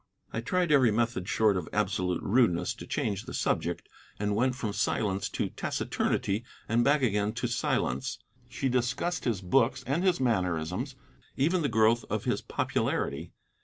I tried every method short of absolute rudeness to change the subject, and went from silence to taciturnity and back again to silence. She discussed his books and his mannerisms, even the growth of his popularity.